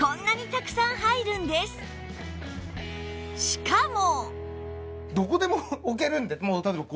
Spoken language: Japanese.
しかも